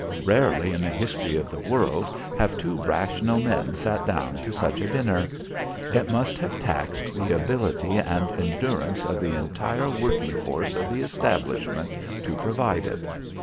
Rarely in the history of the world have two rational men sat down to such a dinner. It must have taxed the ability and endurance of the entire working force of the establishment to provide it.